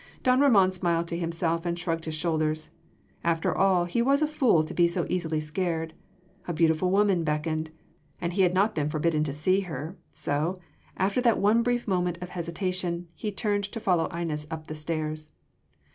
Don Ramon smiled to himself and shrugged his shoulders. After all he was a fool to be so easily scared: a beautiful woman beckoned, and he had not been forbidden to see her so after that one brief moment of hesitation he turned to follow Inez up the stairs.